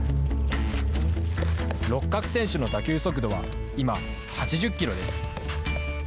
六角選手の打球速度は今、８０キロです。